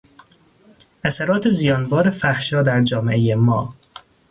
اثرات زیانبار فحشا در جامعهی ما